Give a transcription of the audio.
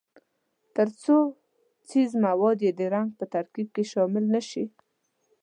ترڅو ځیږ مواد یې د رنګ په ترکیب کې شامل نه شي.